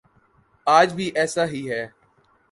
آج بھی ایسا ہی ہے۔